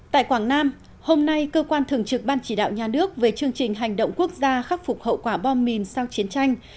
tại quảng nam hôm nay cơ quan thường trực ban chỉ đạo nhà nước về chương trình hành động quốc gia khắc phục hậu quả bom mìn sau chiến tranh